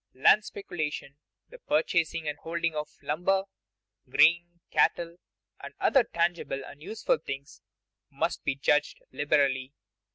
Land speculation, the purchasing and holding of lumber, grain, cattle, and other tangible and useful things, must be judged liberally.